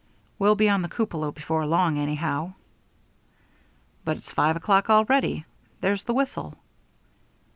We'll be on the cupola before long, anyhow." "But it's five o'clock already. There's the whistle."